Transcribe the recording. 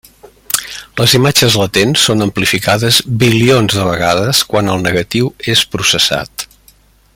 Les imatges latents són amplificades bilions de vegades quan el negatiu és processat.